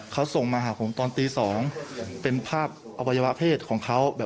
เขาส่งมาหาผมตอนตี๒เป็นภาพอวัยวะเพศของเขาแบบ